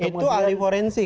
itu ahli forensik